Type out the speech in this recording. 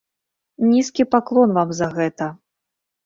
Нізкі паклон вам за гэта.